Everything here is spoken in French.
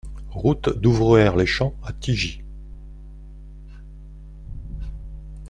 Route d'Ouvrouer Les Champs à Tigy